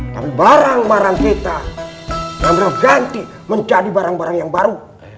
tapi barang barang kita yang berganti menjadi barang barang yang baru